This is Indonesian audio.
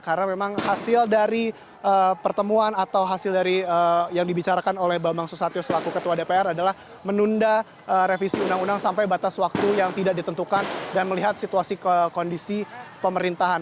karena memang hasil dari pertemuan atau hasil dari yang dibicarakan oleh bambang susatyo selaku ketua dpr adalah menunda revisi undang undang sampai batas waktu yang tidak ditentukan dan melihat situasi kondisi pemerintahan